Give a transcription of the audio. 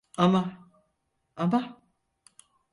Ama, ama…